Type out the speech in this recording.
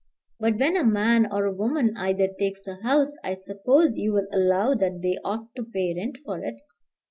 "But when a man, or a woman either, takes a house, I suppose you will allow that they ought to pay rent for it."